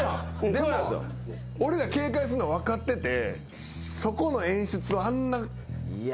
でも俺ら警戒するの分かっててそこの演出をあんな怠ることあるかな。